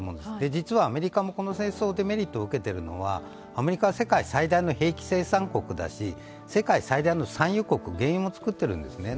実はアメリカもこの戦争でデメリットを受けているのはアメリカは世界最大の兵器生産国だし世界最大の産油国、原油も作っているんですね。